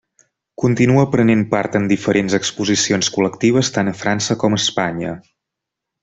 Continua prenent part en diferents exposicions col·lectives tant a França com a Espanya.